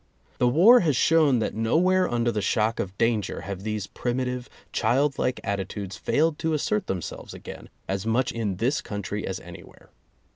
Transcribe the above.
The war has shown that nowhere under the shock of danger have these primitive childlike attitudes failed to assert them selves again, as much in this country as anywhere.